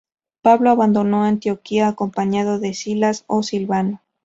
Pablo abandonó Antioquía acompañado de Silas o Silvano.